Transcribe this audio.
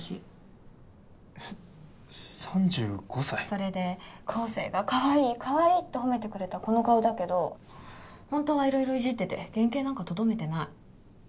それで光晴がかわいいかわいいって褒めてくれたこの顔だけど本当はいろいろいじってて原形なんかとどめてない。